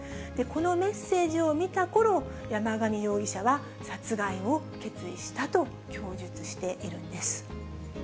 このメッセージを見たころ、山上容疑者は殺害を決意したと供述しているんです。